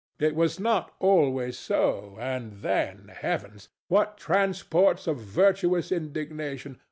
It was not always so; and then, heavens! what transports of virtuous indignation!